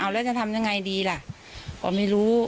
แล้วจะทำยังไงดีล่ะก็ไม่รู้